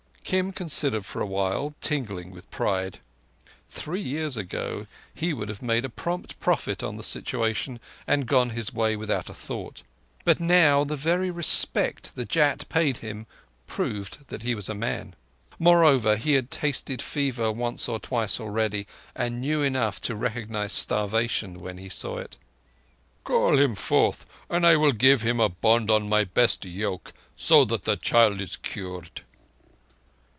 Kim considered for a while, tingling with pride. Three years ago he would have made prompt profit on the situation and gone his way without a thought; but now, the very respect the Jat paid him proved that he was a man. Moreover, he had tasted fever once or twice already, and knew enough to recognize starvation when he saw it. "Call him forth and I will give him a bond on my best yoke, so that the child is cured."